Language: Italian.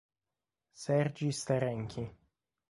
Serhij Staren'kyj